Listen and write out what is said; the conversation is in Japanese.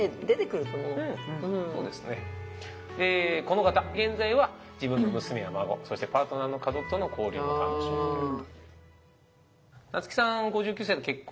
この方現在は自分の娘や孫そしてパートナーの家族との交流も楽しんでるという。